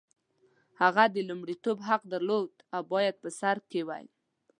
هغه د لومړیتوب حق درلود او باید په سر کې وای.